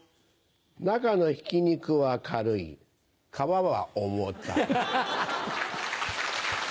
中のひき肉は軽い皮は重たい。